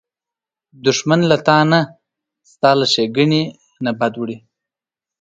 دښمن له تا نه، ستا له ښېګڼې نه بد وړي